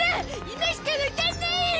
今しかわかんない！